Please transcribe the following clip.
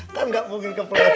kan nggak mungkin ke pelaku